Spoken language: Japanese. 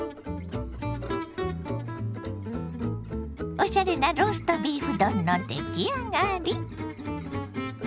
おしゃれなローストビーフ丼の出来上がり！